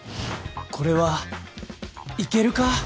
これはいけるか？